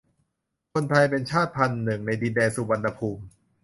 คนไทย เป็นชาติพันธุ์หนึ่งในดินแดนสุวรรณภูมิ